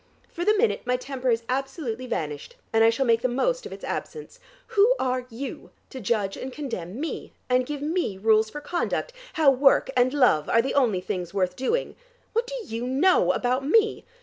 For the minute my temper is absolutely vanished, and I shall make the most of its absence. Who are you to judge and condemn me? and give me rules for conduct, how work and love are the only things worth doing? What do you know about me?